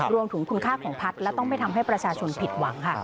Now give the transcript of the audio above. รวมถึงคุณค่าของพัฒน์และต้องไม่ทำให้ประชาชนผิดหวังค่ะ